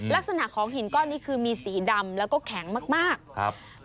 ลักษณะของหินก้อนนี้คือมีสีดำแล้วก็แข็งมากมากครับ